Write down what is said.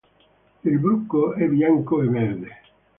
Il bruco è bianco e verde.